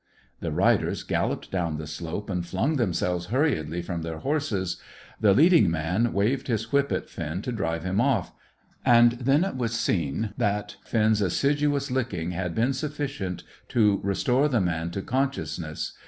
The riders galloped down the slope and flung themselves hurriedly from their horses. The leading man waved his whip at Finn to drive him off. And then it was seen that Finn's assiduous licking had been sufficient to restore the man to consciousness.